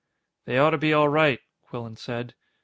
"They ought to be all right," Quillan said.